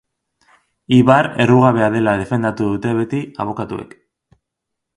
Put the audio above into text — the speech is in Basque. Ibar errugabea dela defendatu dute beti abokatuek.